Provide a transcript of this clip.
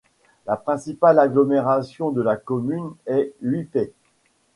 La principale agglomération de la commune est Huipei.